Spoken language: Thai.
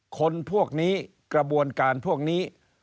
คนพวกนี้กระบวนการพวกนี้